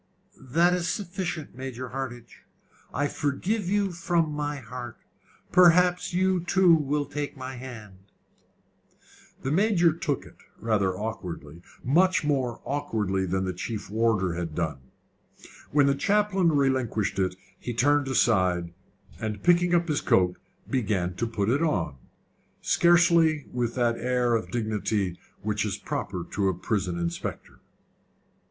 "That is sufficient, Major Hardinge. I forgive you from my heart. Perhaps you too will take my hand." The Major took it rather awkwardly much more awkwardly than the chief warder had done. When the chaplain relinquished it, he turned aside, and picking up his coat, began to put it on scarcely with that air of dignity which is proper to a prison inspector.